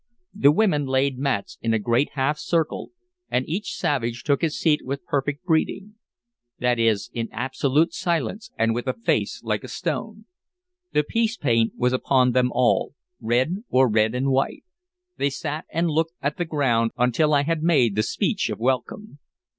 The women laid mats in a great half circle, and each savage took his seat with perfect breeding; that is, in absolute silence and with a face like a stone. The peace paint was upon them all, red, or red and white; they sat and looked at the ground until I had made the speech of welcome.